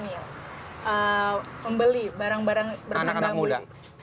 membeli barang barang bambu ini